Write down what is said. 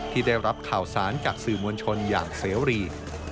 ที่ได้รับข่าวสารจากสื่อมวลชนอย่างเสรี